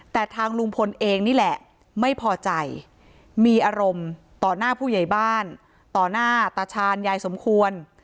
แต่ทางลุงพลเองนี่แหละไม่พอใจมีอารมณ์ต่อหน้าผู้ใหญ่บ้านต่อหน้าตาชาญยายสมควร